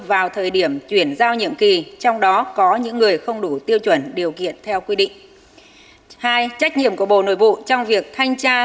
vào thời điểm chuyển giao nhiệm kỳ trong đó có những người không đủ tiêu chuẩn điều kiện theo quy định